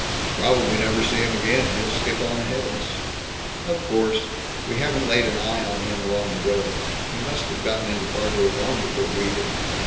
"Probably never see him again. He'll skip on ahead of us." "Of course. We haven't laid an eye on him, along the road. He must have gotten into Fargo long before we did.